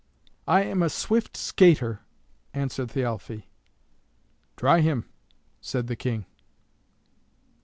"I am a swift skater," answered Thialfe. "Try him," said the King.